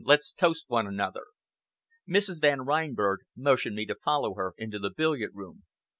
Let's toast one another." Mrs. Van Reinberg motioned me to follow her into the billiard room.